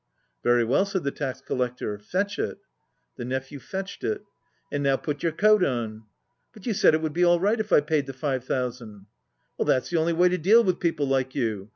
"Very well," said the tax collector, "fetch it." The nephew fetched it. "And now put your coat on." "But you said it would be all right if I paid the five thousand !" "That's the only way to deal with people like you.